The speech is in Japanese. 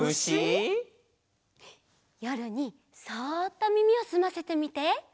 よるにそっとみみをすませてみて。